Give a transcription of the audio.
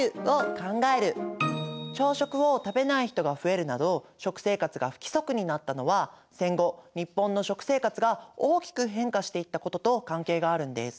朝食を食べない人が増えるなど食生活が不規則になったのは戦後日本の食生活が大きく変化していったことと関係があるんです。